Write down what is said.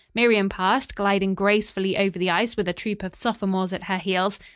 Miriam passed, gliding gracefully over the ice with a troop of sophomores at her heels.